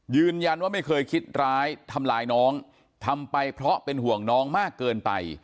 ไม่เคยคิดร้ายทำลายน้องทำไปเพราะเป็นห่วงน้องมากเกินไป